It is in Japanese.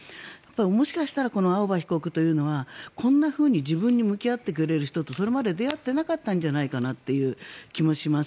もしかしたらこの青葉被告というのはこんなふうに自分に向き合ってくれる人とそれまで出会っていなかったんじゃないかという気もします。